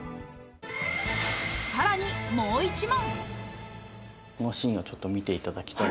さらにもう一問。